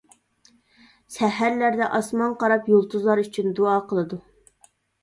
سەھەرلەردە ئاسمانغا قاراپ-يۇلتۇزلار ئۈچۈن دۇئا قىلىدۇ.